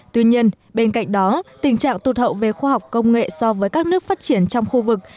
tuy nhiên bên cạnh đó tình trạng tụt hậu về khoa học công nghệ so với các nước phát triển trong khu vực